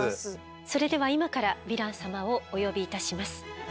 それでは今からヴィラン様をお呼びいたします。